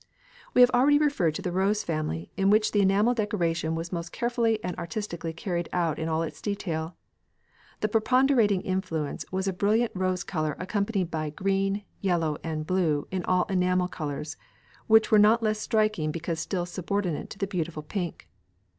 We have already referred to the rose family, in which the enamel decoration was most carefully and artistically carried out in all its detail. The preponderating influence was a brilliant rose colour accompanied by green, yellow, and blue, all in enamel colours, which were not less striking because still subordinate to the beautiful pink.